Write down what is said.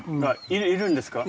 犬いるんですか？